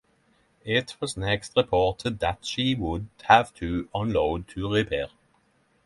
It was next reported that she would have to unload to repair.